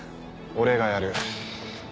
俺がやる。